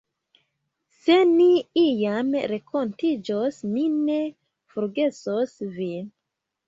Se ni iam renkontiĝos, mi ne forgesos vin.